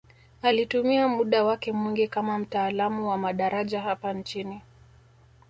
Alitumia muda wake mwingi kama mtaalamu wa madaraja hapa nchini